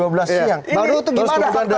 baru itu gimana